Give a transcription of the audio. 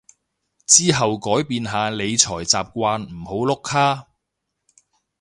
之後改變下理財習慣唔好碌卡